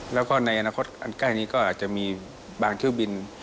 แล้วก็ในอนาคตอันใกล้นี้ก็อาจจะมีบางเที่ยวบิน